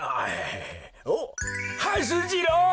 おっはす次郎！